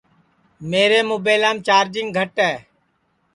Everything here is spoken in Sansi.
میرے مُبیلام چارجِنگ گھٹ ہے